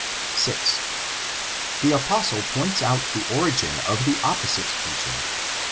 6. The apostle points out the origin of the opposite teaching.